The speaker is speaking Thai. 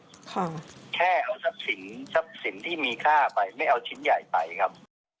แค่เอาทรัพย์สินที่มีค่าไปไม่เอาชิ้นใหญ่ไปครับ